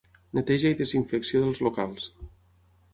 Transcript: Neteja i desinfecció dels locals.